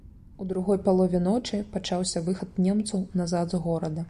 У другой палове ночы пачаўся выхад немцаў назад з горада.